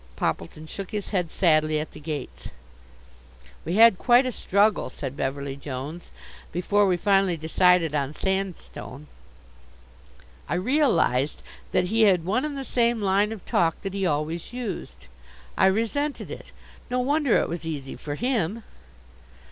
Poppleton shook his head sadly at the gates. "We had quite a struggle," said Beverly Jones, "before we finally decided on sandstone." I realized that he had one and the same line of talk that he always used. I resented it. No wonder it was easy for him.